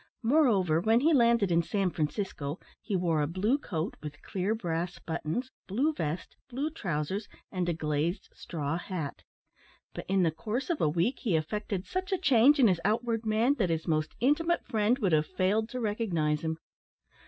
Moreover, when he landed in San Francisco, he wore a blue coat, with clear brass buttons, blue vest, blue trousers, and a glazed straw hat; but in the course of a week he effected such a change in his outward man, that his most intimate friend would have failed to recognise him.